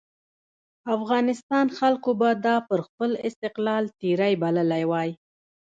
افغانستان خلکو به دا پر خپل استقلال تېری بللی وای.